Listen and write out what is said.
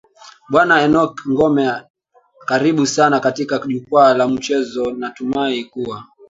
bwana enock ngome karibu sana katika jukwaa la michezo natumai kuwa